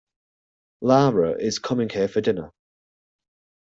Lara is coming here for dinner.